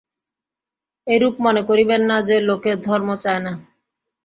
এইরূপ মনে করিবেন না যে, লোকে ধর্ম চায় না।